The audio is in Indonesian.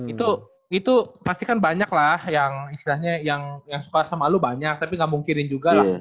itu itu pasti kan banyak lah yang istilahnya yang suka sama lu banyak tapi gak mungkirin juga lah